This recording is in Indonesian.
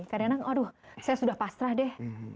kadang kadang aduh saya sudah pasrah deh